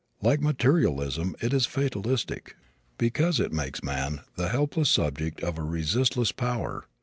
Like materialism it is fatalistic because it makes man the helpless subject of resistless power.